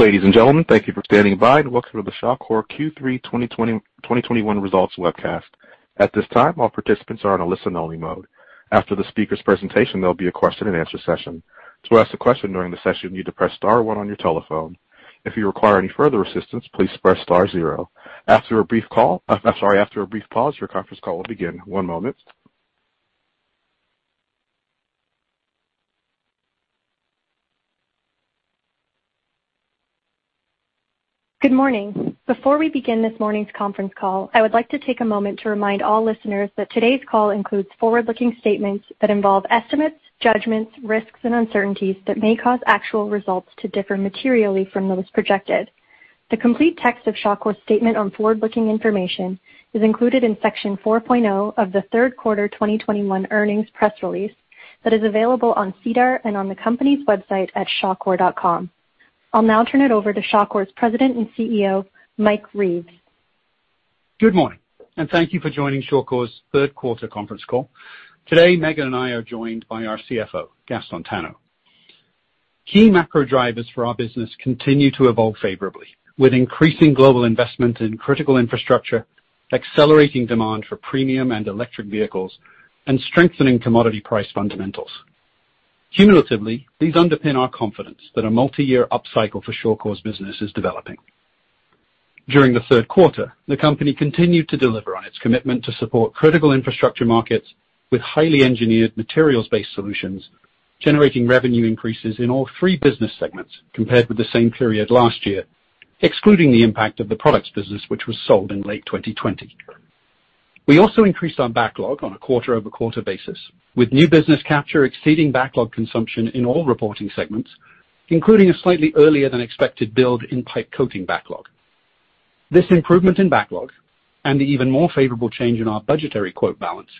Ladies and gentlemen, thank you for standing by and welcome to the Shawcor Q3 2021 results webcast. At this time, all participants are in a listen-only mode. After the speaker's presentation, there'll be a question and answer session. To ask a question during the session, you need to press star one on your telephone. If you require any further assistance, please press star zero. After a brief pause, your conference call will begin. One moment. Good morning. Before we begin this morning's conference call, I would like to take a moment to remind all listeners that today's call includes forward-looking statements that involve estimates, judgments, risks, and uncertainties that may cause actual results to differ materially from those projected. The complete text of Shawcor's statement on forward-looking information is included in section 4.0 of the third quarter 2021 earnings press release that is available on SEDAR and on the company's website at shawcor.com. I'll now turn it over to Shawcor's President and CEO, Mike Reeves. Good morning, and thank you for joining Shawcor's third quarter conference call. Today, Meghan and I are joined by our CFO, Gaston Tano. Key macro drivers for our business continue to evolve favorably with increasing global investment in critical infrastructure, accelerating demand for premium and electric vehicles, and strengthening commodity price fundamentals. Cumulatively, these underpin our confidence that a multi-year upcycle for Shawcor's business is developing. During the third quarter, the company continued to deliver on its commitment to support critical infrastructure markets with highly engineered materials-based solutions, generating revenue increases in all three business segments compared with the same period last year, excluding the impact of the products business, which was sold in late 2020. We also increased our backlog on a quarter-over-quarter basis, with new business capture exceeding backlog consumption in all reporting segments, including a slightly earlier than expected build in pipe coating backlog. This improvement in backlog and the even more favorable change in our budgetary quote balance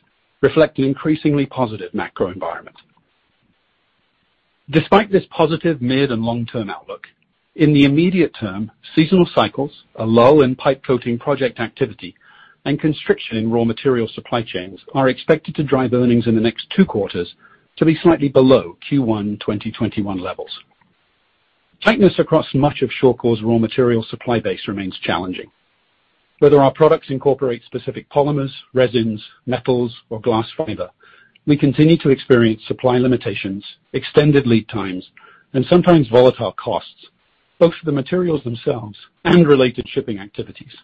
reflect an increasingly positive macro environment. Despite this positive mid- and long-term outlook, in the immediate term, seasonal cycles, a lull in pipe coating project activity, and constriction in raw material supply chains are expected to drive earnings in the next two quarters to be slightly below Q1 2021 levels. Tightness across much of Shawcor's raw material supply base remains challenging. Whether our products incorporate specific polymers, resins, metals or glass fiber, we continue to experience supply limitations, extended lead times, and sometimes volatile costs, both for the materials themselves and related shipping activities.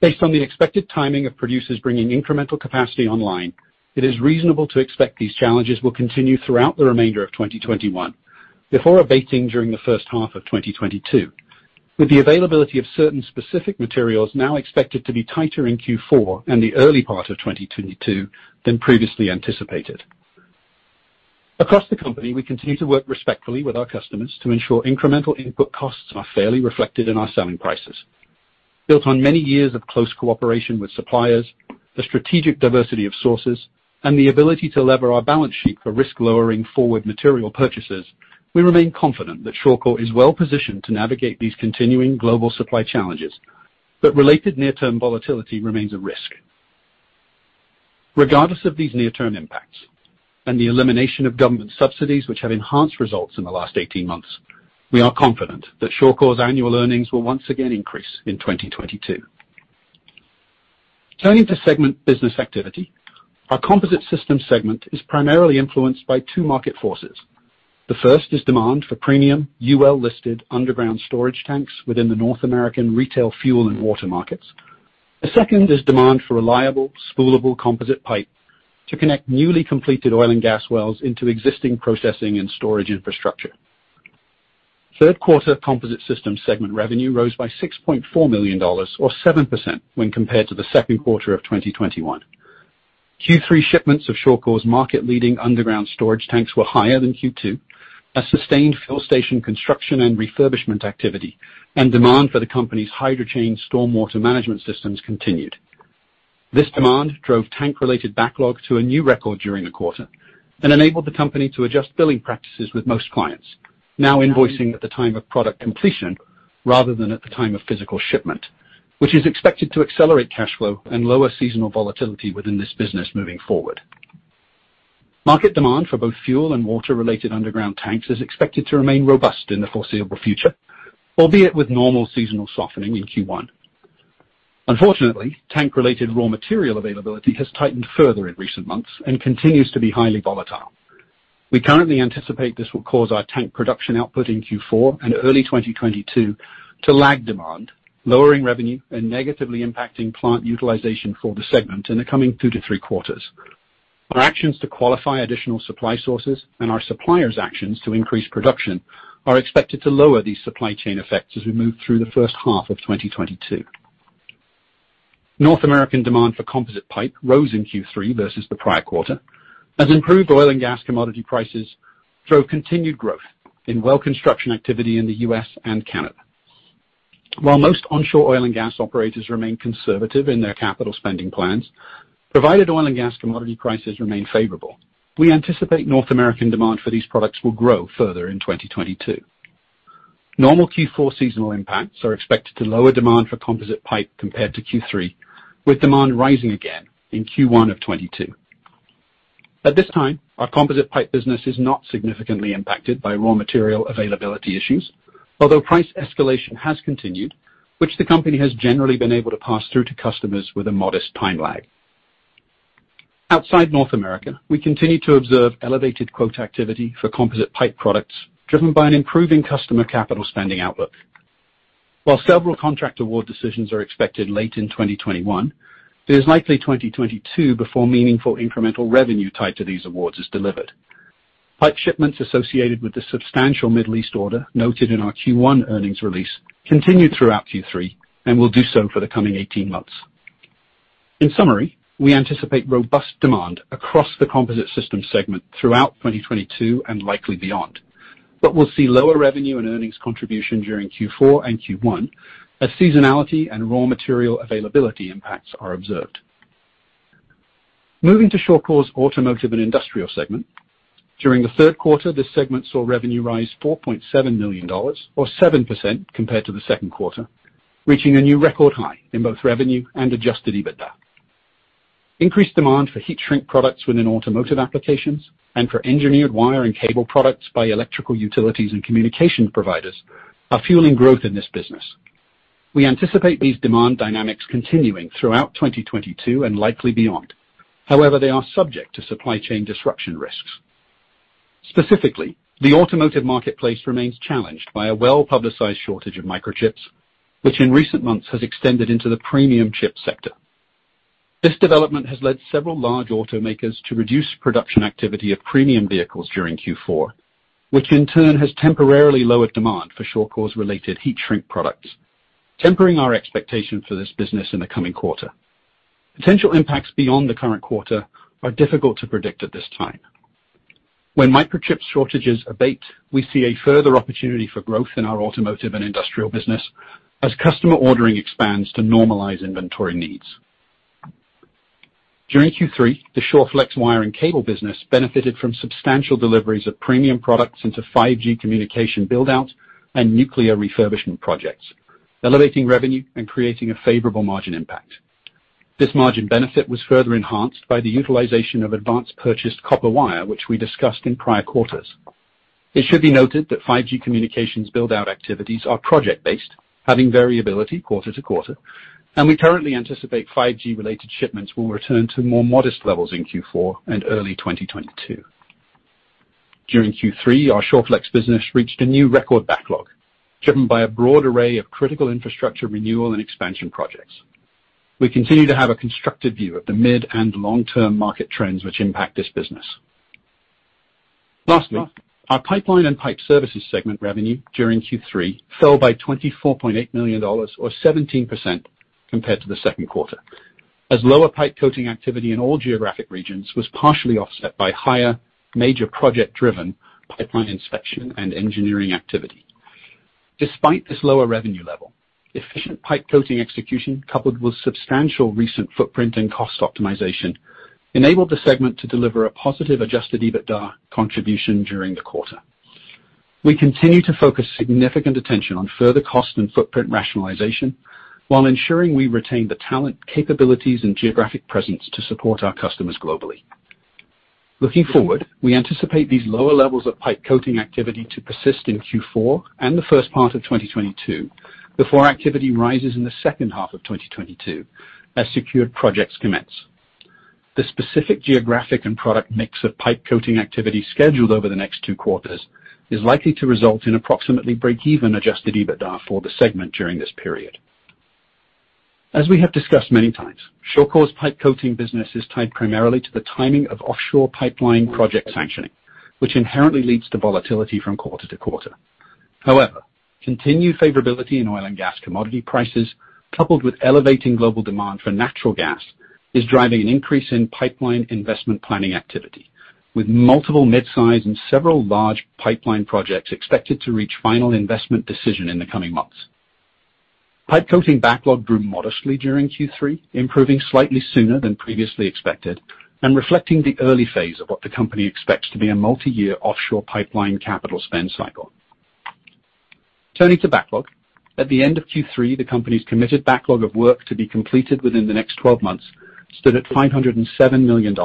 Based on the expected timing of producers bringing incremental capacity online, it is reasonable to expect these challenges will continue throughout the remainder of 2021 before abating during the first half of 2022, with the availability of certain specific materials now expected to be tighter in Q4 and the early part of 2022 than previously anticipated. Across the company, we continue to work respectfully with our customers to ensure incremental input costs are fairly reflected in our selling prices. Built on many years of close cooperation with suppliers, the strategic diversity of sources, and the ability to leverage our balance sheet for risk-lowering forward material purchases, we remain confident that Shawcor is well-positioned to navigate these continuing global supply challenges, but related near-term volatility remains a risk. Regardless of these near-term impacts and the elimination of government subsidies which have enhanced results in the last 18 months, we are confident that Shawcor's annual earnings will once again increase in 2022. Turning to segment business activity, our Composite Systems segment is primarily influenced by two market forces. The first is demand for premium UL-listed underground storage tanks within the North American retail fuel and water markets. The second is demand for reliable spoolable composite pipe to connect newly completed oil and gas wells into existing processing and storage infrastructure. Third quarter Composite Systems segment revenue rose by $6.4 million or 7% when compared to the second quarter of 2021. Q3 shipments of Shawcor's market-leading underground storage tanks were higher than Q2. A sustained fill station construction and refurbishment activity and demand for the company's HydroChain stormwater management systems continued. This demand drove tank-related backlog to a new record during the quarter and enabled the company to adjust billing practices with most clients, now invoicing at the time of product completion rather than at the time of physical shipment, which is expected to accelerate cash flow and lower seasonal volatility within this business moving forward. Market demand for both fuel and water-related underground tanks is expected to remain robust in the foreseeable future, albeit with normal seasonal softening in Q1. Unfortunately, tank-related raw material availability has tightened further in recent months and continues to be highly volatile. We currently anticipate this will cause our tank production output in Q4 and early 2022 to lag demand, lowering revenue and negatively impacting plant utilization for the segment in the coming two to three quarters. Our actions to qualify additional supply sources and our suppliers' actions to increase production are expected to lower these supply chain effects as we move through the first half of 2022. North American demand for composite pipe rose in Q3 versus the prior quarter as improved oil and gas commodity prices drove continued growth in well construction activity in the U.S. and Canada. While most onshore oil and gas operators remain conservative in their capital spending plans, provided oil and gas commodity prices remain favorable, we anticipate North American demand for these products will grow further in 2022. Normal Q4 seasonal impacts are expected to lower demand for composite pipe compared to Q3, with demand rising again in Q1 of 2022. At this time, our composite pipe business is not significantly impacted by raw material availability issues, although price escalation has continued, which the company has generally been able to pass through to customers with a modest time lag. Outside North America, we continue to observe elevated quote activity for composite pipe products, driven by an improving customer capital spending outlook. While several contract award decisions are expected late in 2021, it is likely 2022 before meaningful incremental revenue tied to these awards is delivered. Pipe shipments associated with the substantial Middle East order noted in our Q1 earnings release continued throughout Q3 and will do so for the coming 18 months. In summary, we anticipate robust demand across the Composite Systems segment throughout 2022 and likely beyond. We'll see lower revenue and earnings contribution during Q4 and Q1 as seasonality and raw material availability impacts are observed. Moving to Shawcor's Automotive and Industrial segment. During the third quarter, this segment saw revenue rise $4.7 million or 7% compared to the second quarter, reaching a new record high in both revenue and adjusted EBITDA. Increased demand for heat shrink products within automotive applications and for engineered wire and cable products by electrical utilities and communication providers are fueling growth in this business. We anticipate these demand dynamics continuing throughout 2022 and likely beyond. However, they are subject to supply chain disruption risks. Specifically, the automotive marketplace remains challenged by a well-publicized shortage of microchips, which in recent months has extended into the premium chip sector. This development has led several large automakers to reduce production activity of premium vehicles during Q4, which in turn has temporarily lowered demand for Shawcor's related heat shrink products, tempering our expectation for this business in the coming quarter. Potential impacts beyond the current quarter are difficult to predict at this time. When microchip shortages abate, we see a further opportunity for growth in our Automotive and Industrial business as customer ordering expands to normalize inventory needs. During Q3, the ShawFlex wire and cable business benefited from substantial deliveries of premium products into 5G communication build-outs and nuclear refurbishment projects, elevating revenue and creating a favorable margin impact. This margin benefit was further enhanced by the utilization of advanced purchased copper wire, which we discussed in prior quarters. It should be noted that 5G communications build-out activities are project-based, having variability quarter to quarter, and we currently anticipate 5G-related shipments will return to more modest levels in Q4 and early 2022. During Q3, our ShawFlex business reached a new record backlog, driven by a broad array of critical infrastructure renewal and expansion projects. We continue to have a constructive view of the mid and long-term market trends which impact this business. Lastly, our Pipeline and Pipe Services segment revenue during Q3 fell by $24.8 million or 17% compared to the second quarter, as lower pipe coating activity in all geographic regions was partially offset by higher major project-driven pipeline inspection and engineering activity. Despite this lower revenue level, efficient pipe coating execution, coupled with substantial recent footprint and cost optimization, enabled the segment to deliver a positive adjusted EBITDA contribution during the quarter. We continue to focus significant attention on further cost and footprint rationalization while ensuring we retain the talent, capabilities, and geographic presence to support our customers globally. Looking forward, we anticipate these lower levels of pipe coating activity to persist in Q4 and the first part of 2022 before activity rises in the second half of 2022 as secured projects commence. The specific geographic and product mix of pipe coating activity scheduled over the next two quarters is likely to result in approximately break-even adjusted EBITDA for the segment during this period. As we have discussed many times, Shawcor's pipe coating business is tied primarily to the timing of offshore pipeline project sanctioning, which inherently leads to volatility from quarter to quarter. However, continued favorability in oil and gas commodity prices, coupled with elevating global demand for natural gas, is driving an increase in pipeline investment planning activity, with multiple mid-size and several large pipeline projects expected to reach final investment decision in the coming months. Pipe coating backlog grew modestly during Q3, improving slightly sooner than previously expected and reflecting the early phase of what the company expects to be a multi-year offshore pipeline capital spend cycle. Turning to backlog, at the end of Q3, the company's committed backlog of work to be completed within the next 12 months stood at $507 million,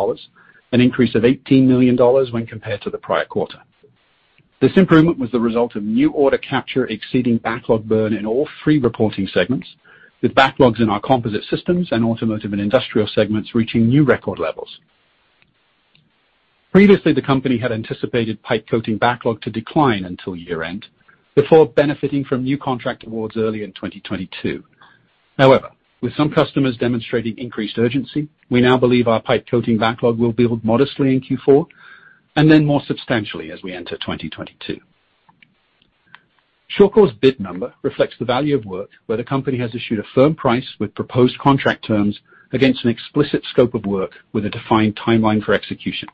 an increase of $18 million when compared to the prior quarter. This improvement was the result of new order capture exceeding backlog burn in all three reporting segments, with backlogs in our Composite Systems and Automotive and Industrial segments reaching new record levels. Previously, the company had anticipated pipe coating backlog to decline until year-end before benefiting from new contract awards early in 2022. However, with some customers demonstrating increased urgency, we now believe our pipe coating backlog will build modestly in Q4 and then more substantially as we enter 2022. Shawcor's bid number reflects the value of work where the company has issued a firm price with proposed contract terms against an explicit scope of work with a defined timeline for execution.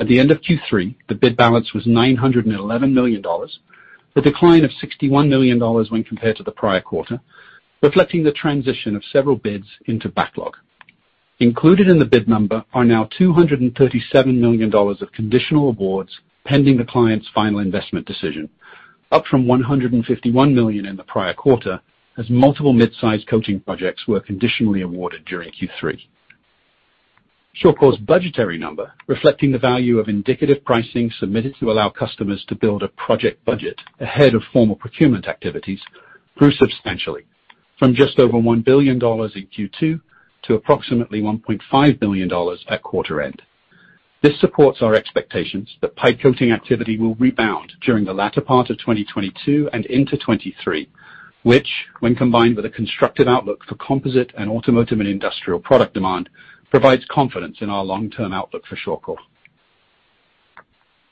At the end of Q3, the bid balance was $911 million, a decline of $61 million when compared to the prior quarter, reflecting the transition of several bids into backlog. Included in the bid number are now $237 million of conditional awards pending the client's final investment decision, up from $151 million in the prior quarter. Multiple midsize coating projects were conditionally awarded during Q3. Shawcor's budgetary number, reflecting the value of indicative pricing submitted to allow customers to build a project budget ahead of formal procurement activities, grew substantially from just over $1 billion in Q2 to approximately $1.5 billion at quarter end. This supports our expectations that pipe coating activity will rebound during the latter part of 2022 and into 2023, which, when combined with a constructive outlook for Composite and Automotive and Industrial product demand, provides confidence in our long-term outlook for Shawcor.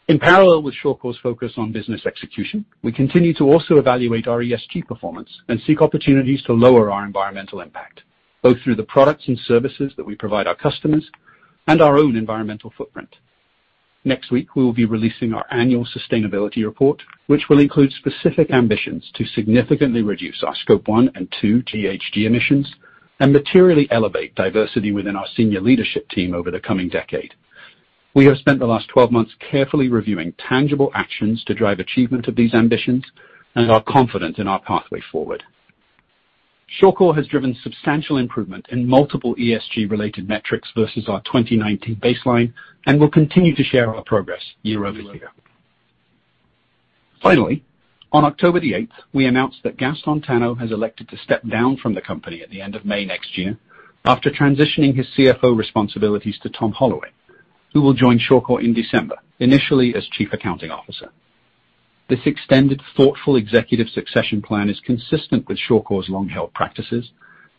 In parallel with Shawcor's focus on business execution, we continue to also evaluate our ESG performance and seek opportunities to lower our environmental impact, both through the products and services that we provide our customers and our own environmental footprint. Next week, we will be releasing our annual sustainability report, which will include specific ambitions to significantly reduce our Scope 1 and 2 GHG emissions and materially elevate diversity within our senior leadership team over the coming decade. We have spent the last 12 months carefully reviewing tangible actions to drive achievement of these ambitions and are confident in our pathway forward. Shawcor has driven substantial improvement in multiple ESG-related metrics versus our 2019 baseline and will continue to share our progress year-over-year. Finally, on October the eighth, we announced that Gaston Tano has elected to step down from the company at the end of May next year after transitioning his CFO responsibilities to Tom Holloway, who will join Shawcor in December, initially as chief accounting officer. This extended, thoughtful executive succession plan is consistent with Shawcor's long-held practices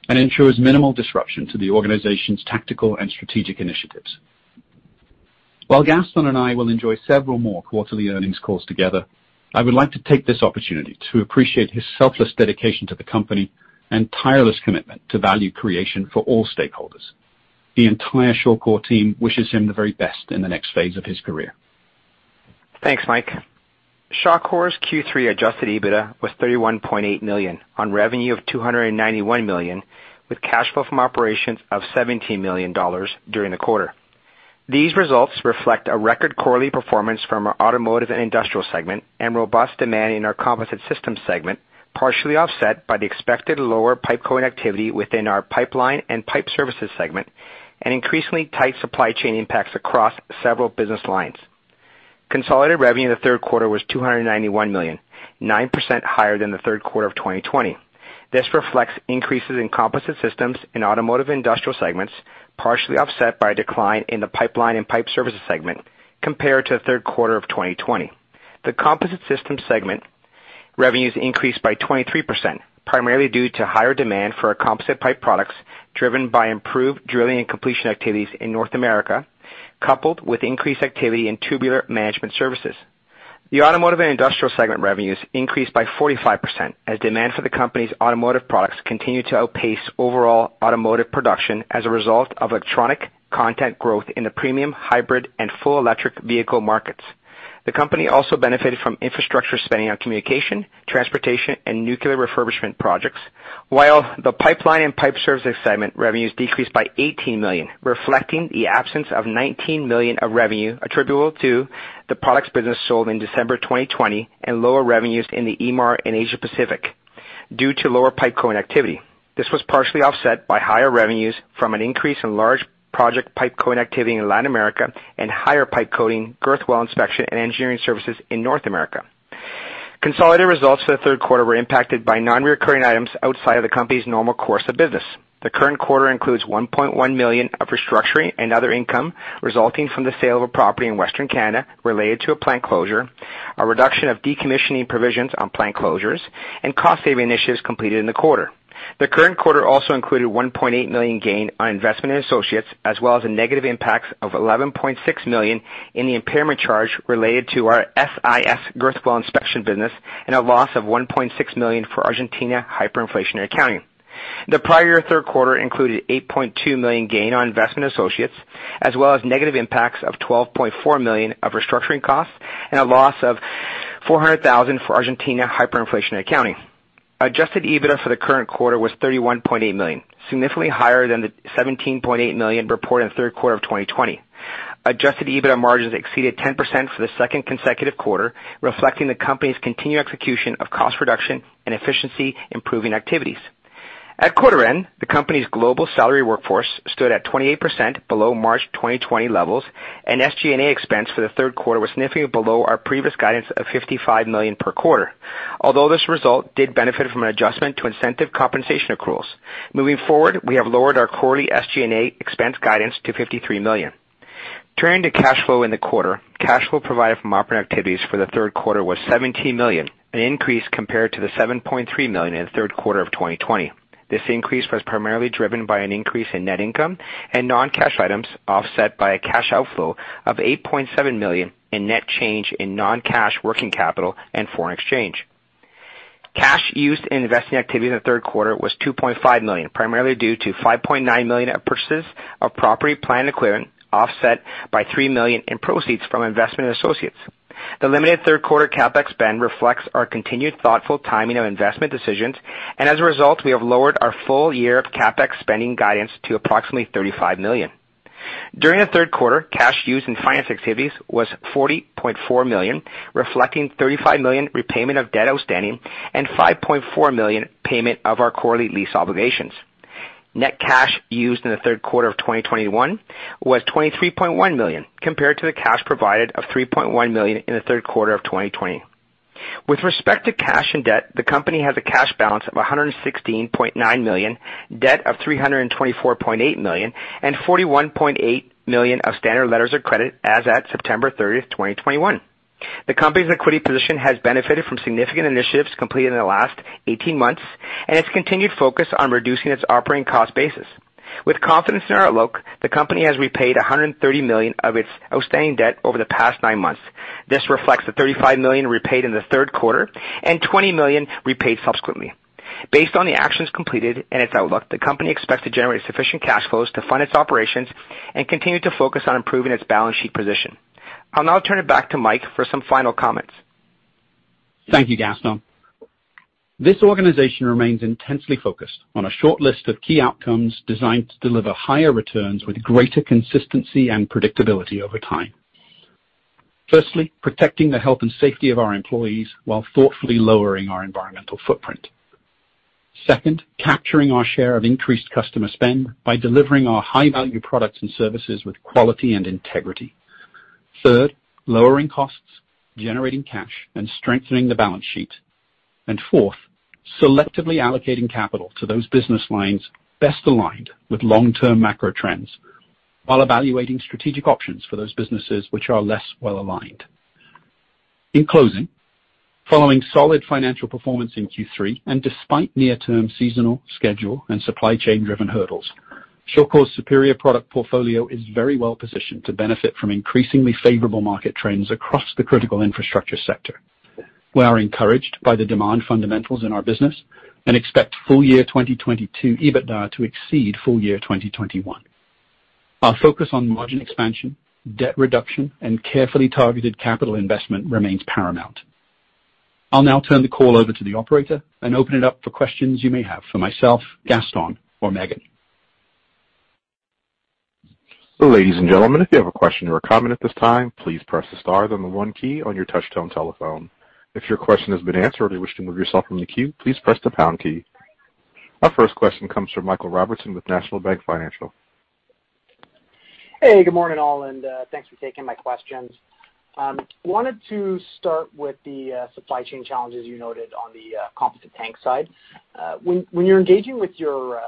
and ensures minimal disruption to the organization's tactical and strategic initiatives. While Gaston and I will enjoy several more quarterly earnings calls together, I would like to take this opportunity to appreciate his selfless dedication to the company and tireless commitment to value creation for all stakeholders. The entire Shawcor team wishes him the very best in the next phase of his career. Thanks, Mike. Shawcor's Q3 adjusted EBITDA was $31.8 million on revenue of $291 million, with cash flow from operations of $17 million during the quarter. These results reflect a record quarterly performance from our Automotive and Industrial segment and robust demand in our Composite Systems segment, partially offset by the expected lower pipe coating activity within our Pipeline and Pipe Services segment and increasingly tight supply chain impacts across several business lines. Consolidated revenue in the third quarter was $291 million, 9% higher than the third quarter of 2020. This reflects increases in Composite Systems and Automotive and Industrial segments, partially offset by a decline in the Pipeline and Pipe Services segment compared to the third quarter of 2020. The Composite Systems segment revenues increased by 23%, primarily due to higher demand for our composite pipe products, driven by improved drilling and completion activities in North America, coupled with increased activity in tubular management services. The Automotive and Industrial segment revenues increased by 45% as demand for the company's automotive products continued to outpace overall automotive production as a result of electronic content growth in the premium hybrid and full electric vehicle markets. The company also benefited from infrastructure spending on communication, transportation, and nuclear refurbishment projects. While the Pipeline and Pipe Services segment revenues decreased by 18 million, reflecting the absence of 19 million of revenue attributable to the products business sold in December 2020 and lower revenues in the EMAR and Asia Pacific due to lower pipe coating activity. This was partially offset by higher revenues from an increase in large project pipe coating activity in Latin America and higher pipe coating girth weld inspection and engineering services in North America. Consolidated results for the third quarter were impacted by non-recurring items outside of the company's normal course of business. The current quarter includes 1.1 million of restructuring and other income resulting from the sale of a property in Western Canada related to a plant closure, a reduction of decommissioning provisions on plant closures, and cost-saving initiatives completed in the quarter. The current quarter also included 1.8 million gain on investment in associates, as well as a negative impact of 11.6 million in the impairment charge related to our SIS girth weld inspection business and a loss of CAD 1.6 million for Argentina hyperinflationary accounting. The prior third quarter included CAD 8.2 million gain on investment associates, as well as negative impacts of CAD 12.4 million of restructuring costs and a loss of CAD 400,000 for Argentina hyperinflationary accounting. adjusted EBITDA for the current quarter was CAD 31.8 million, significantly higher than the CAD 17.8 million reported in the third quarter of 2020. adjusted EBITDA margins exceeded 10% for the second consecutive quarter, reflecting the company's continued execution of cost reduction and efficiency improving activities. At quarter end, the company's global salary workforce stood at 28% below March 2020 levels, and SG&A expense for the third quarter was significantly below our previous guidance of 55 million per quarter, although this result did benefit from an adjustment to incentive compensation accruals. Moving forward, we have lowered our quarterly SG&A expense guidance to 53 million. Turning to cash flow in the quarter, cash flow provided from operating activities for the third quarter was 17 million, an increase compared to the 7.3 million in the third quarter of 2020. This increase was primarily driven by an increase in net income and non-cash items, offset by a cash outflow of 8.7 million in net change in non-cash working capital and foreign exchange. Cash used in investing activity in the third quarter was 2.5 million, primarily due to 5.9 million of purchases of property, plant, and equipment, offset by 3 million in proceeds from investment associates. The limited third quarter CapEx spend reflects our continued thoughtful timing of investment decisions, and as a result, we have lowered our full-year CapEx spending guidance to approximately 35 million. During the third quarter, cash used in financing activities was 40.4 million, reflecting 35 million repayment of debt outstanding and 5.4 million payment of our quarterly lease obligations. Net cash used in the third quarter of 2021 was 23.1 million compared to the cash provided of 3.1 million in the third quarter of 2020. With respect to cash and debt, the company has a cash balance of CAD 116.9 million, debt of CAD 324.8 million, and CAD 41.8 million of standard letters of credit as at September 30, 2021. The company's liquidity position has benefited from significant initiatives completed in the last 18 months and its continued focus on reducing its operating cost basis. With confidence in our outlook, the company has repaid $130 million of its outstanding debt over the past 9 months. This reflects the $35 million repaid in the third quarter and $20 million repaid subsequently. Based on the actions completed and its outlook, the company expects to generate sufficient cash flows to fund its operations and continue to focus on improving its balance sheet position. I'll now turn it back to Mike for some final comments. Thank you, Gaston. This organization remains intensely focused on a short list of key outcomes designed to deliver higher returns with greater consistency and predictability over time. Firstly, protecting the health and safety of our employees while thoughtfully lowering our environmental footprint. Second, capturing our share of increased customer spend by delivering our high-value products and services with quality and integrity. Third, lowering costs, generating cash, and strengthening the balance sheet. Fourth, selectively allocating capital to those business lines best aligned with long-term macro trends while evaluating strategic options for those businesses which are less well aligned. In closing, following solid financial performance in Q3, and despite near-term seasonal, schedule, and supply chain driven hurdles, Shawcor's superior product portfolio is very well positioned to benefit from increasingly favorable market trends across the critical infrastructure sector. We are encouraged by the demand fundamentals in our business and expect full year 2022 EBITDA to exceed full year 2021. Our focus on margin expansion, debt reduction, and carefully targeted capital investment remains paramount. I'll now turn the call over to the operator and open it up for questions you may have for myself, Gaston or Meghan. Our first question comes from Michael Robertson with National Bank Financial. Hey, good morning, all, and thanks for taking my questions. I wanted to start with the supply chain challenges you noted on the composite tank side. When you're engaging with your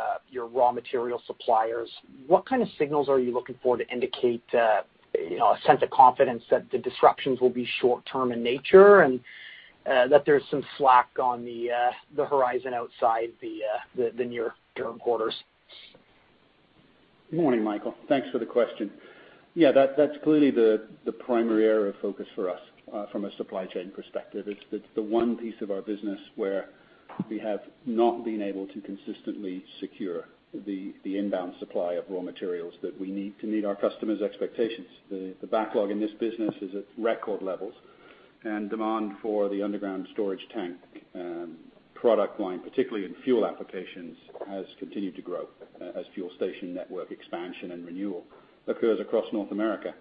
raw material suppliers, what kind of signals are you looking for to indicate, you know, a sense of confidence that the disruptions will be short-term in nature and that there's some slack on the near-term quarters? Good morning, Michael. Thanks for the question. Yeah, that's clearly the primary area of focus for us from a supply chain perspective. It's the one piece of our business where we have not been able to consistently secure the inbound supply of raw materials that we need to meet our customers' expectations. The backlog in this business is at record levels, and demand for the underground storage tank product line, particularly in fuel applications, has continued to grow as fuel station network expansion and renewal occurs across North America.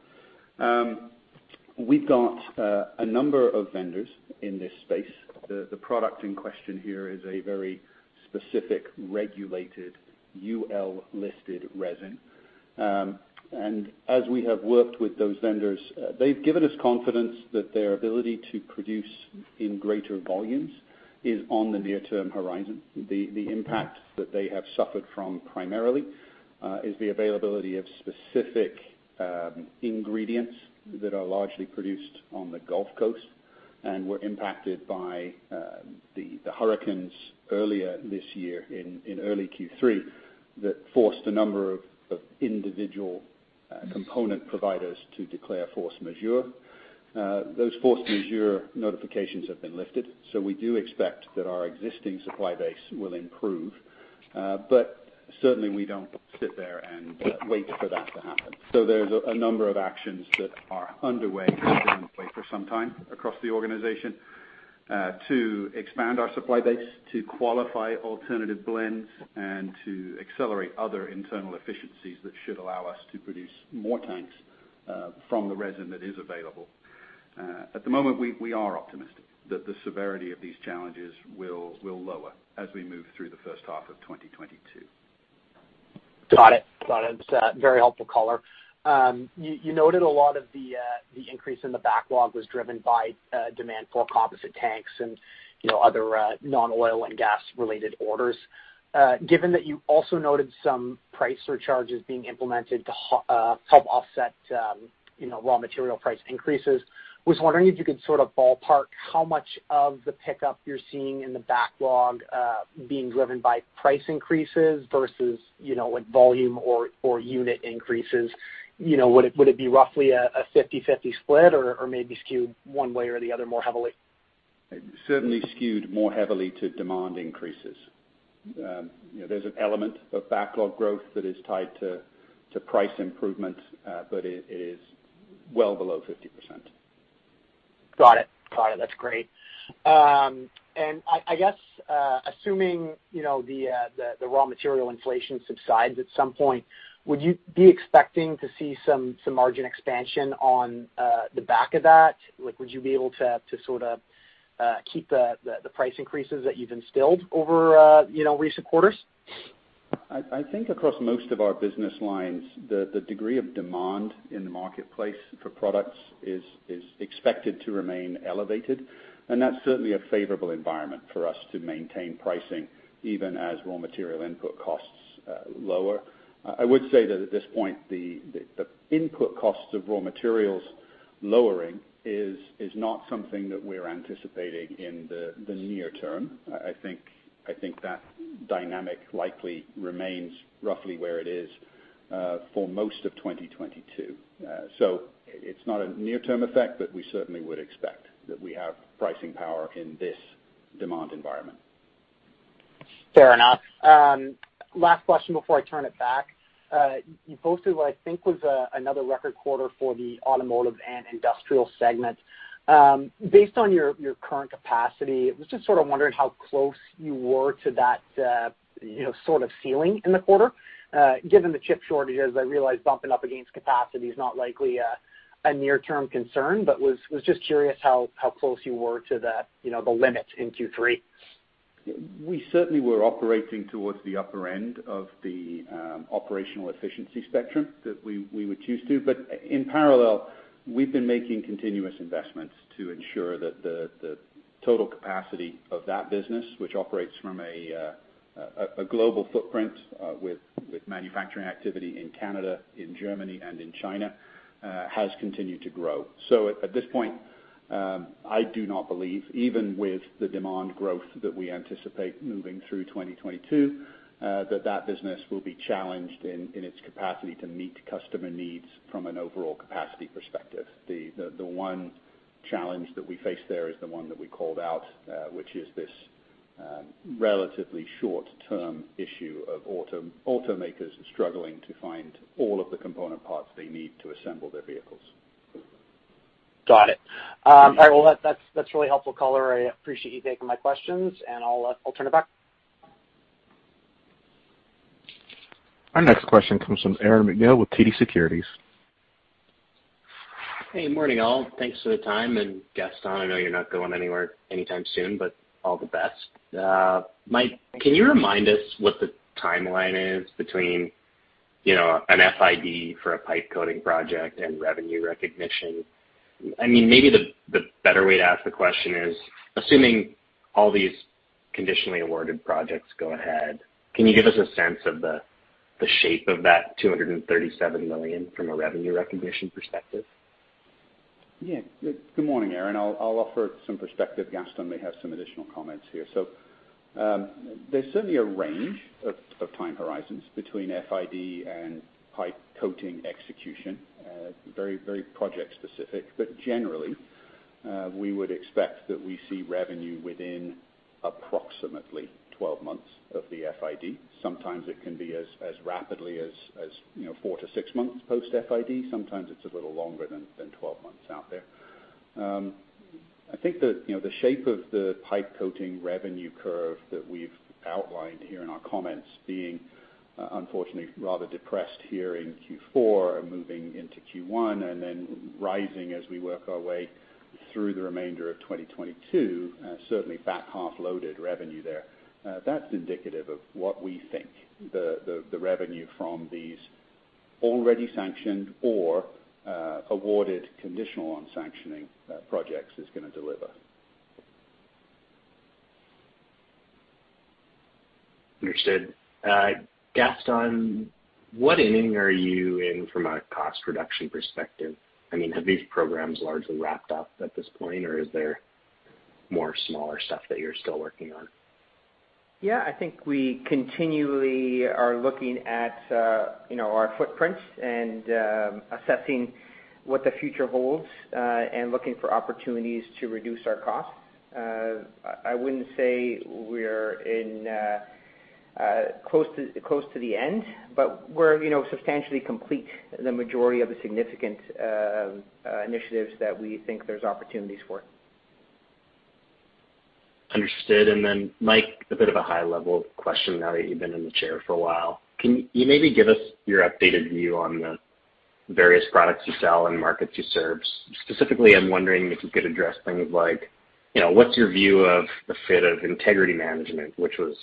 We've got a number of vendors in this space. The product in question here is a very specific regulated UL-listed resin. As we have worked with those vendors, they've given us confidence that their ability to produce in greater volumes is on the near-term horizon. The impact that they have suffered from primarily is the availability of specific ingredients that are largely produced on the Gulf Coast and were impacted by the hurricanes earlier this year in early Q3 that forced a number of individual component providers to declare force majeure. Those force majeure notifications have been lifted, so we do expect that our existing supply base will improve. But certainly we don't sit there and wait for that to happen. There's a number of actions that are underway and have been in place for some time across the organization to expand our supply base, to qualify alternative blends, and to accelerate other internal efficiencies that should allow us to produce more tanks from the resin that is available. At the moment, we are optimistic that the severity of these challenges will lower as we move through the first half of 2022. Got it. That's very helpful color. You noted a lot of the increase in the backlog was driven by demand for composite tanks and, you know, other non-oil and gas related orders. Given that you also noted some price surcharges being implemented to help offset, you know, raw material price increases, I was wondering if you could sort of ballpark how much of the pickup you're seeing in the backlog being driven by price increases versus, you know, like volume or unit increases. You know, would it be roughly a fifty-fifty split or maybe skewed one way or the other more heavily? Certainly skewed more heavily to demand increases. You know, there's an element of backlog growth that is tied to price improvement, but it is well below 50%. Got it. That's great. I guess, assuming you know the raw material inflation subsides at some point, would you be expecting to see some margin expansion on the back of that? Like, would you be able to sort of keep the price increases that you've instilled over you know recent quarters? I think across most of our business lines, the degree of demand in the marketplace for products is expected to remain elevated, and that's certainly a favorable environment for us to maintain pricing even as raw material input costs lower. I would say that at this point, the input costs of raw materials lowering is not something that we're anticipating in the near term. I think that dynamic likely remains roughly where it is for most of 2022. It's not a near-term effect, but we certainly would expect that we have pricing power in this demand environment. Fair enough. Last question before I turn it back. You posted what I think was another record quarter for the Automotive and Industrial segments. Based on your current capacity, was just sort of wondering how close you were to that, you know, sort of ceiling in the quarter, given the chip shortages, I realize bumping up against capacity is not likely a near-term concern, but was just curious how close you were to that, you know, the limit in Q3. We certainly were operating towards the upper end of the operational efficiency spectrum that we would choose to. In parallel, we've been making continuous investments to ensure that the total capacity of that business, which operates from a global footprint, with manufacturing activity in Canada, in Germany, and in China, has continued to grow. At this point, I do not believe even with the demand growth that we anticipate moving through 2022, that business will be challenged in its capacity to meet customer needs from an overall capacity perspective. The one challenge that we face there is the one that we called out, which is this relatively short-term issue of automakers struggling to find all of the component parts they need to assemble their vehicles. Got it. All right. Well, that's really helpful color. I appreciate you taking my questions, and I'll turn it back. Our next question comes from Aaron MacNeil with TD Securities. Morning, all. Thanks for the time. Gaston, I know you're not going anywhere anytime soon, but all the best. Mike, can you remind us what the timeline is between, you know, an FID for a pipe coating project and revenue recognition? I mean, maybe the better way to ask the question is, assuming all these conditionally awarded projects go ahead, can you give us a sense of the shape of that 237 million from a revenue recognition perspective? Yeah. Good morning, Aaron. I'll offer some perspective. Gaston may have some additional comments here. There's certainly a range of time horizons between FID and pipe coating execution, very project specific. Generally, we would expect that we see revenue within approximately 12 months of the FID. Sometimes it can be as rapidly as 4-6 months post FID. Sometimes it's a little longer than 12 months out there. I think the, you know, the shape of the pipe coating revenue curve that we've outlined here in our comments being, unfortunately rather depressed here in Q4 and moving into Q1, and then rising as we work our way through the remainder of 2022, certainly back half loaded revenue there, that's indicative of what we think the revenue from these already sanctioned or, awarded conditional on sanctioning, projects is gonna deliver. Understood. Gaston, what inning are you in from a cost reduction perspective? I mean, have these programs largely wrapped up at this point, or is there more smaller stuff that you're still working on? Yeah, I think we continually are looking at, you know, our footprints and assessing what the future holds and looking for opportunities to reduce our costs. I wouldn't say we're close to the end, but we're, you know, substantially complete the majority of the significant initiatives that we think there's opportunities for. Understood. Mike, a bit of a high-level question now that you've been in the chair for a while. Can you maybe give us your updated view on the various products you sell and markets you serve? Specifically, I'm wondering if you could address things like, you know, what's your view of the fit of integrity management, which was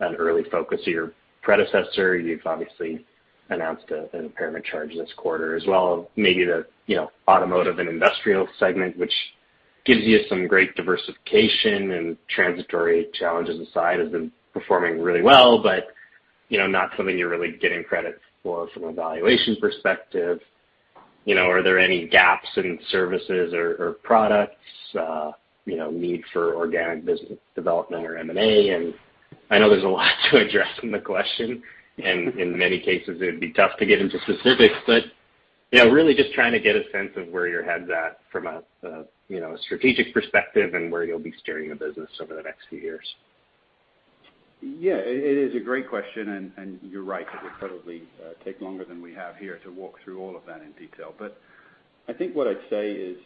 an early focus of your predecessor. You've obviously announced an impairment charge this quarter as well. Maybe the, you know, Automotive and Industrial segment, which gives you some great diversification and transitory challenges aside, has been performing really well, but, you know, not something you're really getting credit for from a valuation perspective. You know, are there any gaps in services or products, you know, need for organic business development or M&A? I know there's a lot to address in the question. In many cases, it'd be tough to get into specifics, but, you know, really just trying to get a sense of where your head's at from a, you know, a strategic perspective and where you'll be steering the business over the next few years. Yeah, it is a great question, and you're right, it would probably take longer than we have here to walk through all of that in detail. I think what I'd say is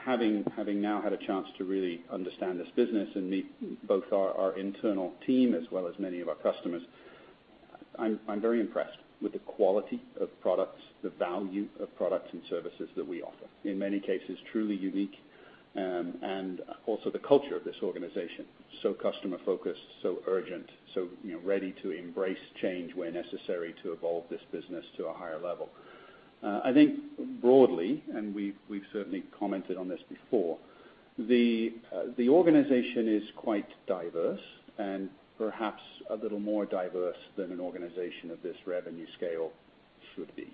having now had a chance to really understand this business and meet both our internal team as well as many of our customers, I'm very impressed with the quality of products, the value of products and services that we offer. In many cases, truly unique, and also the culture of this organization, so customer-focused, so urgent, so you know, ready to embrace change where necessary to evolve this business to a higher level. I think broadly, and we've certainly commented on this before, the organization is quite diverse and perhaps a little more diverse than an organization of this revenue scale should be.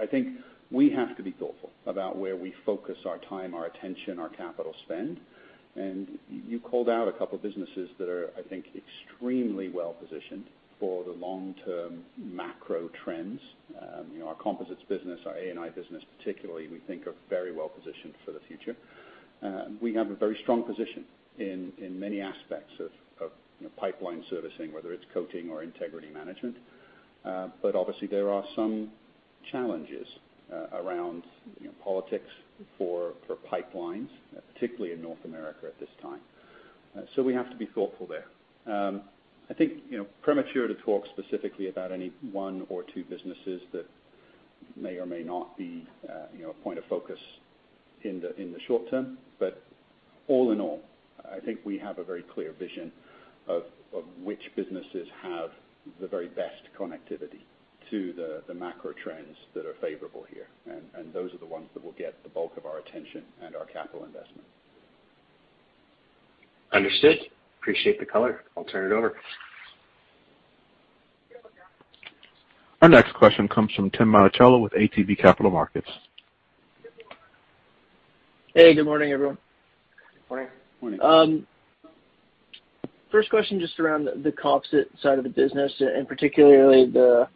I think we have to be thoughtful about where we focus our time, our attention, our capital spend. You called out a couple of businesses that are, I think, extremely well-positioned for the long-term macro trends. Our composites business, our A&I business particularly, we think are very well positioned for the future. We have a very strong position in many aspects of pipeline servicing, whether it's coating or integrity management. But obviously, there are some challenges around politics for pipelines, particularly in North America at this time. We have to be thoughtful there. I think premature to talk specifically about any one or two businesses that may or may not be a point of focus in the short term. All in all, I think we have a very clear vision of which businesses have the very best connectivity to the macro trends that are favorable here. Those are the ones that will get the bulk of our attention and our capital investment. Understood. Appreciate the color. I'll turn it over. Our next question comes from Tim Monachello with ATB Capital Markets. Hey, good morning, everyone. Morning. First question just around the composite side of the business, and particularly the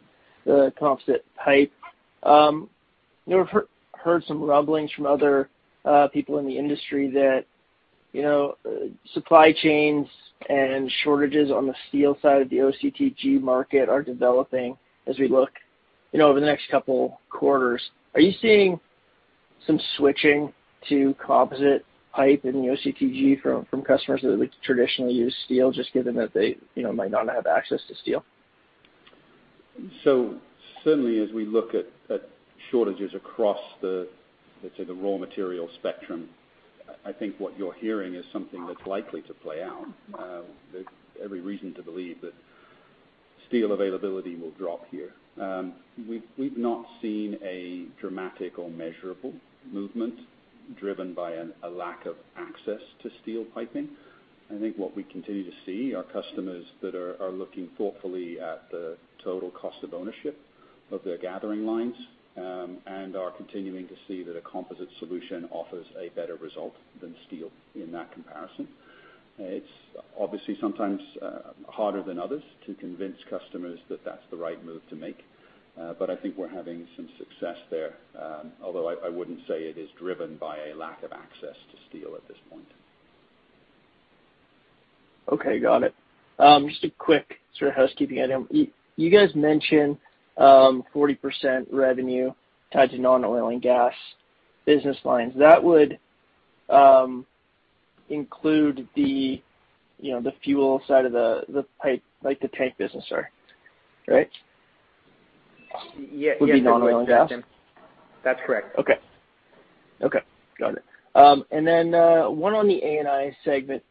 composite pipe. You know, we've heard some rumblings from other people in the industry that, you know, supply chains and shortages on the steel side of the OCTG market are developing as we look, you know, over the next couple quarters. Are you seeing some switching to composite pipe in the OCTG from customers that would traditionally use steel just given that they, you know, might not have access to steel? Certainly as we look at shortages across the, let's say, raw material spectrum, I think what you're hearing is something that's likely to play out. There's every reason to believe that steel availability will drop here. We've not seen a dramatic or measurable movement driven by a lack of access to steel piping. I think what we continue to see are customers that are looking thoughtfully at the total cost of ownership of their gathering lines, and are continuing to see that a composite solution offers a better result than steel in that comparison. It's obviously sometimes harder than others to convince customers that that's the right move to make, but I think we're having some success there, although I wouldn't say it is driven by a lack of access to steel at this point. Okay, got it. Just a quick sort of housekeeping item. You guys mentioned 40% revenue tied to non-oil and gas business lines. That would include the, you know, the fuel side of the pipe, like the tank business there, right? Ye- Would be non-oil and gas. That's correct. Okay, got it. One on the A&I segment.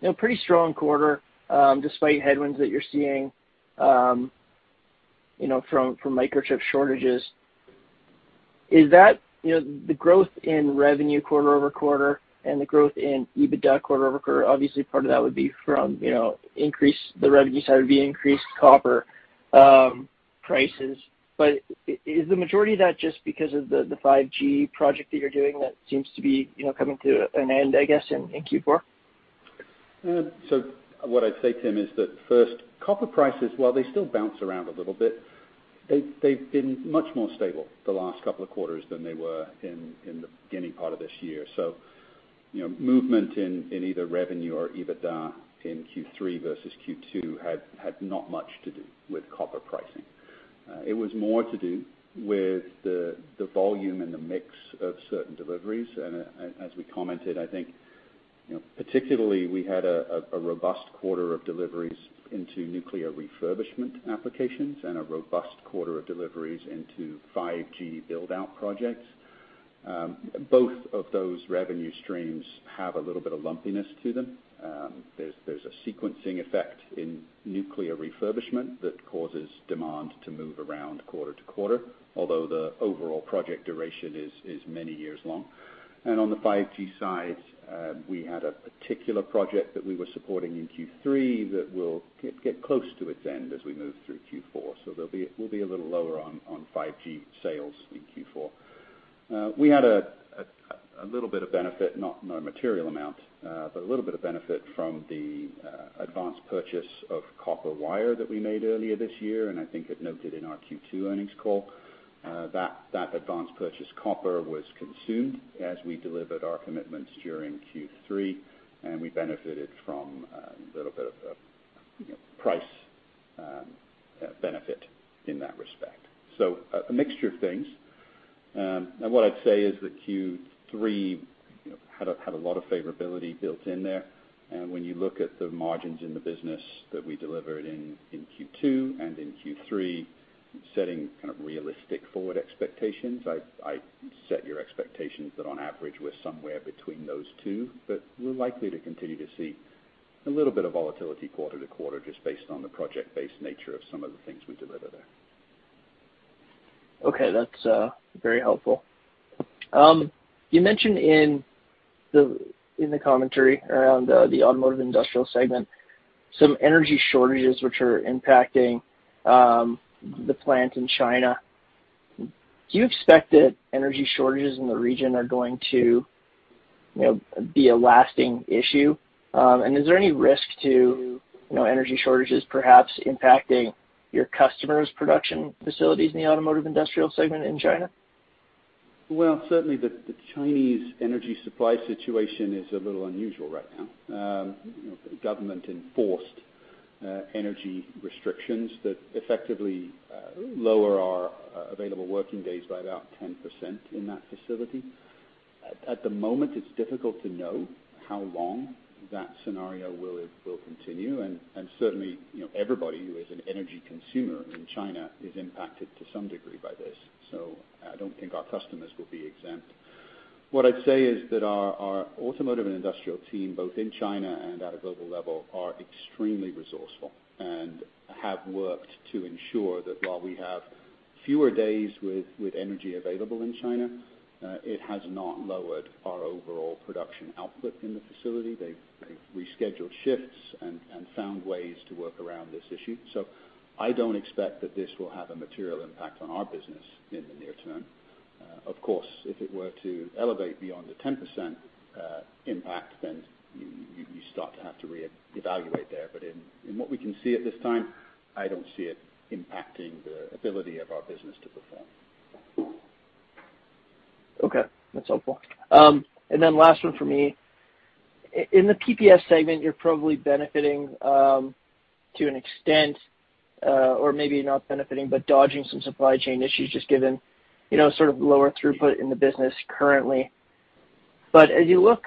You know, pretty strong quarter, despite headwinds that you're seeing, you know, from microchip shortages. Is that, you know, the growth in revenue quarter-over-quarter and the growth in EBITDA quarter-over-quarter, obviously part of that would be from, you know, the increase on the revenue side would be increased copper prices. But is the majority of that just because of the 5G project that you're doing that seems to be, you know, coming to an end, I guess, in Q4? What I'd say, Tim, is that first, copper prices, while they still bounce around a little bit, they've been much more stable the last couple of quarters than they were in the beginning part of this year. You know, movement in either revenue or EBITDA in Q3 versus Q2 had not much to do with copper pricing. It was more to do with the volume and the mix of certain deliveries. As we commented, I think, you know, particularly we had a robust quarter of deliveries into nuclear refurbishment applications and a robust quarter of deliveries into 5G build-out projects. Both of those revenue streams have a little bit of lumpiness to them. There's a sequencing effect in nuclear refurbishment that causes demand to move around quarter to quarter, although the overall project duration is many years long. On the 5G side, we had a particular project that we were supporting in Q3 that will get close to its end as we move through Q4. We'll be a little lower on 5G sales in Q4. We had a little bit of benefit, not a material amount, but a little bit of benefit from the advanced purchase of copper wire that we made earlier this year, and I think had noted in our Q2 earnings call. That advanced purchase copper was consumed as we delivered our commitments during Q3, and we benefited from a little bit of you know, price benefit in that respect. A mixture of things. What I'd say is that Q3, you know, had a lot of favorability built in there. When you look at the margins in the business that we delivered in Q2 and in Q3, setting kind of realistic forward expectations, I'd set your expectations that on average we're somewhere between those two. We're likely to continue to see a little bit of volatility quarter to quarter just based on the project-based nature of some of the things we deliver there. Okay. That's very helpful. You mentioned in the commentary around the Automotive and Industrial segment some energy shortages which are impacting the plant in China. Do you expect that energy shortages in the region are going to, you know, be a lasting issue? Is there any risk to, you know, energy shortages perhaps impacting your customers' production facilities in the Automotive and Industrial segment in China? Well, certainly the Chinese energy supply situation is a little unusual right now. You know, government enforced energy restrictions that effectively lower our available working days by about 10% in that facility. At the moment, it's difficult to know how long that scenario will continue. Certainly, you know, everybody who is an energy consumer in China is impacted to some degree by this. I don't think our customers will be exempt. What I'd say is that our Automotive and Industrial team, both in China and at a global level, are extremely resourceful and have worked to ensure that while we have fewer days with energy available in China, it has not lowered our overall production output in the facility. They've rescheduled shifts and found ways to work around this issue. I don't expect that this will have a material impact on our business in the near term. Of course, if it were to elevate beyond the 10% impact, then you start to have to re-evaluate there. In what we can see at this time, I don't see it impacting the ability of our business to perform. Okay. That's helpful. Last one for me. In the PPS segment, you're probably benefiting, to an extent, or maybe not benefiting, but dodging some supply chain issues just given, you know, sort of lower throughput in the business currently. As you look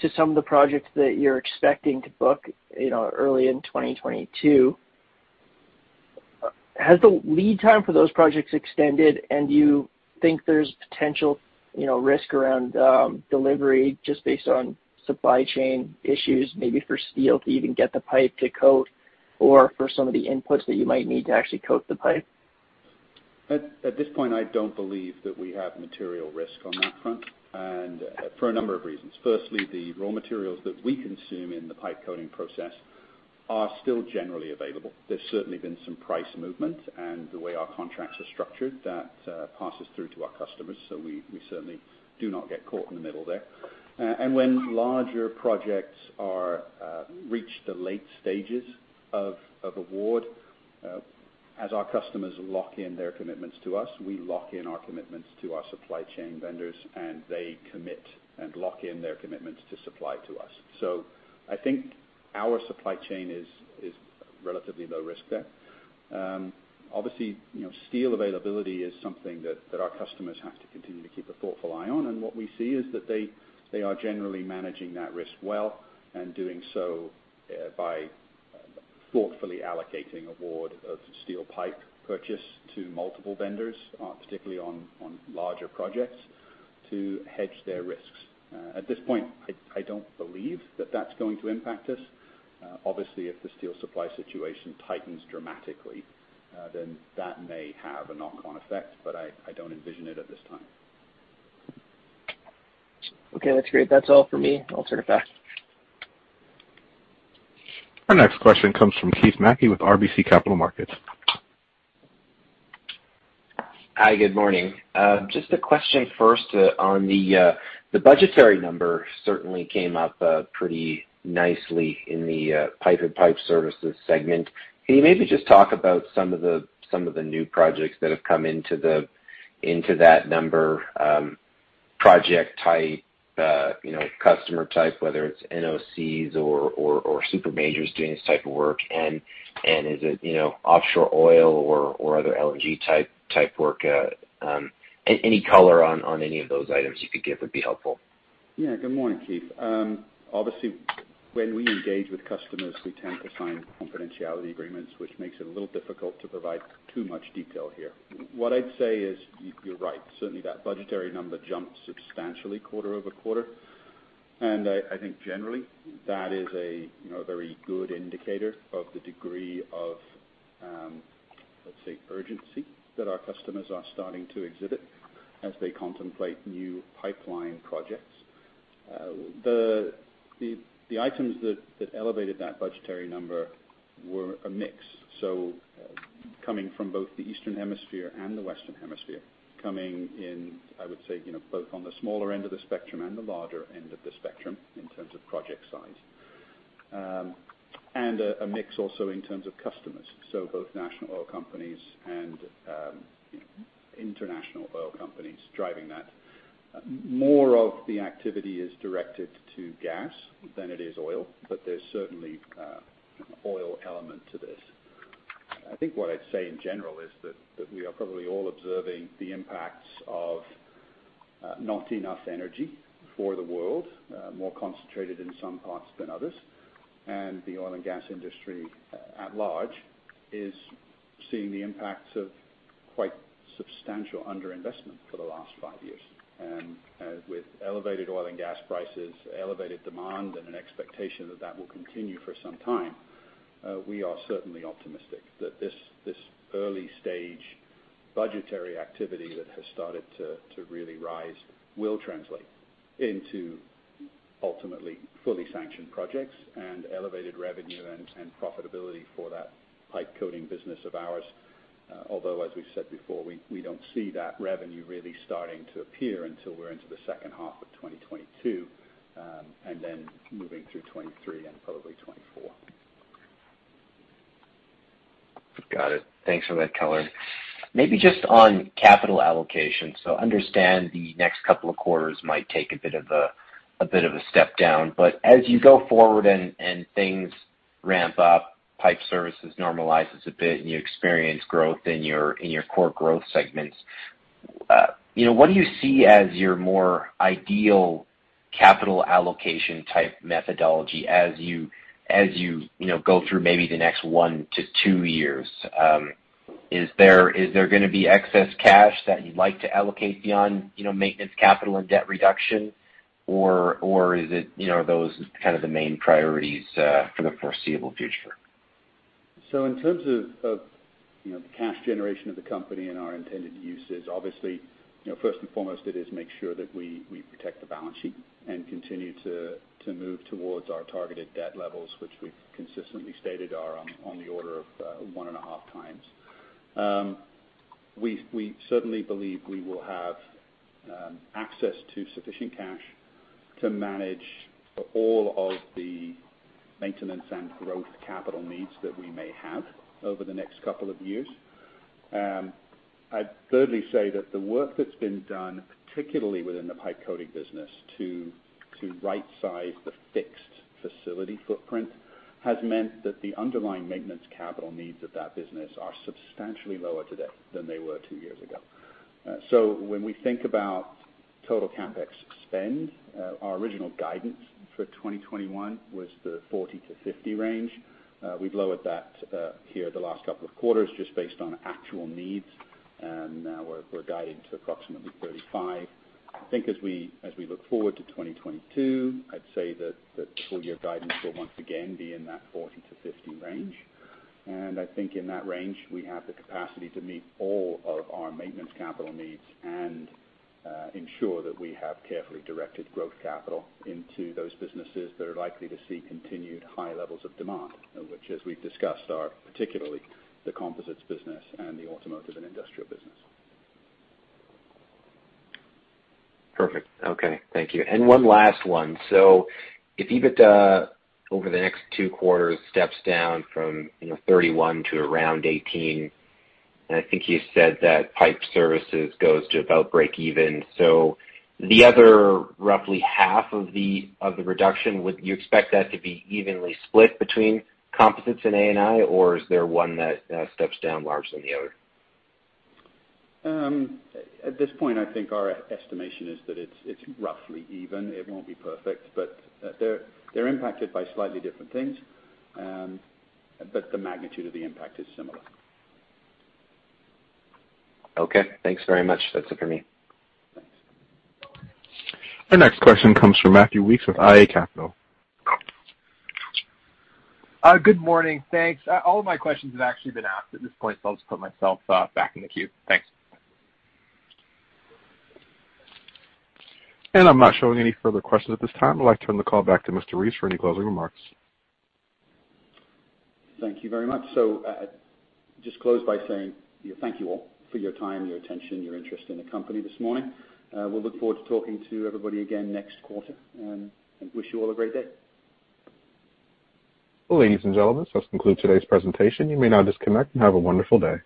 to some of the projects that you're expecting to book, you know, early in 2022, has the lead time for those projects extended, and do you think there's potential, you know, risk around, delivery just based on supply chain issues, maybe for steel to even get the pipe to coat or for some of the inputs that you might need to actually coat the pipe? At this point, I don't believe that we have material risk on that front and for a number of reasons. Firstly, the raw materials that we consume in the pipe coating process are still generally available. There's certainly been some price movement, and the way our contracts are structured, that passes through to our customers. We certainly do not get caught in the middle there. When larger projects reach the late stages of award, as our customers lock in their commitments to us, we lock in our commitments to our supply chain vendors, and they commit and lock in their commitments to supply to us. I think our supply chain is relatively low risk there. Obviously, you know, steel availability is something that our customers have to continue to keep a thoughtful eye on. What we see is that they are generally managing that risk well and doing so by thoughtfully allocating award of steel pipe purchase to multiple vendors, particularly on larger projects to hedge their risks. At this point, I don't believe that that's going to impact us. Obviously, if the steel supply situation tightens dramatically, then that may have a knock-on effect, but I don't envision it at this time. Okay. That's great. That's all for me. I'll turn it back. Our next question comes from Keith Mackey with RBC Capital Markets. Hi. Good morning. Just a question first on the backlog number that certainly came up pretty nicely in the Pipeline and Pipe Services segment. Can you maybe just talk about some of the new projects that have come into that number, project type, you know, customer type, whether it's NOCs or super majors doing this type of work? Is it, you know, offshore oil or other LNG type work? Any color on any of those items you could give would be helpful. Yeah. Good morning, Keith. Obviously, when we engage with customers, we tend to sign confidentiality agreements, which makes it a little difficult to provide too much detail here. What I'd say is you're right. Certainly, that budgetary number jumped substantially quarter-over-quarter. I think generally that is a, you know, very good indicator of the degree of, let's say, urgency that our customers are starting to exhibit as they contemplate new pipeline projects. The items that elevated that budgetary number were a mix. Coming from both the Eastern Hemisphere and the Western Hemisphere, coming in, I would say, you know, both on the smaller end of the spectrum and the larger end of the spectrum in terms of project size. A mix also in terms of customers. Both national oil companies and international oil companies driving that. More of the activity is directed to gas than it is oil, but there's certainly oil element to this. I think what I'd say in general is that we are probably all observing the impacts of not enough energy for the world, more concentrated in some parts than others. The oil and gas industry at large is seeing the impacts of quite substantial under-investment for the last five years. With elevated oil and gas prices, elevated demand, and an expectation that that will continue for some time, we are certainly optimistic that this early stage budgetary activity that has started to really rise will translate into ultimately fully sanctioned projects and elevated revenue and profitability for that pipe coating business of ours. Although as we've said before, we don't see that revenue really starting to appear until we're into the second half of 2022, and then moving through 2023 and probably 2024. Got it. Thanks for that color. Maybe just on capital allocation. Understand the next couple of quarters might take a bit of a step down. As you go forward and things ramp up, pipe services normalizes a bit and you experience growth in your core growth segments, you know, what do you see as your more ideal capital allocation type methodology as you go through maybe the next one to two years? Is there gonna be excess cash that you'd like to allocate beyond, you know, maintenance capital and debt reduction? Or is it, you know, are those kind of the main priorities for the foreseeable future? In terms of, you know, the cash generation of the company and our intended uses, obviously, you know, first and foremost it is make sure that we protect the balance sheet and continue to move towards our targeted debt levels, which we've consistently stated are on the order of 1.5 times. We certainly believe we will have access to sufficient cash to manage all of the maintenance and growth capital needs that we may have over the next couple of years. I'd thirdly say that the work that's been done, particularly within the pipe coating business to right size the fixed facility footprint, has meant that the underlying maintenance capital needs of that business are substantially lower today than they were two years ago. When we think about total CapEx spend, our original guidance for 2021 was the $40-$50 range. We've lowered that over the last couple of quarters just based on actual needs, and now we're guiding to approximately $35. I think as we look forward to 2022, I'd say that the full year guidance will once again be in that $40-$50 range. I think in that range, we have the capacity to meet all of our maintenance capital needs and ensure that we have carefully directed growth capital into those businesses that are likely to see continued high levels of demand, which as we've discussed are particularly the Composite Systems business and the Automotive and Industrial business. Perfect. Okay. Thank you. One last one. If EBITDA over the next two quarters steps down from, you know, 31 to around 18, and I think you said that pipe services goes to about break even, so the other roughly half of the reduction, would you expect that to be evenly split between composites and A&I, or is there one that steps down larger than the other? At this point, I think our estimation is that it's roughly even. It won't be perfect, but they're impacted by slightly different things. The magnitude of the impact is similar. Okay. Thanks very much. That's it for me. Thanks. The next question comes from Matthew Weekes with iA Capital Markets. Good morning. Thanks. All of my questions have actually been asked at this point, so I'll just put myself back in the queue. Thanks. I'm not showing any further questions at this time. I'd like to turn the call back to Mr. Reeves for any closing remarks. Thank you very much. Just close by saying thank you all for your time, your attention, your interest in the company this morning. We'll look forward to talking to everybody again next quarter and wish you all a great day. Ladies and gentlemen, this concludes today's presentation. You may now disconnect and have a wonderful day.